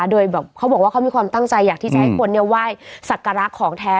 โดยแบบเขาบอกว่าเขามีความตั้งใจอยากที่ใช้ให้คนเนี่ยไหว้สัตว์กระลักษณ์ของแท้